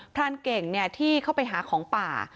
พรานเก่งที่เข้าไปหาของป่า